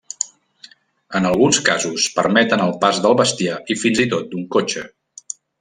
En alguns casos, permeten el pas del bestiar i fins i tot d'un cotxe.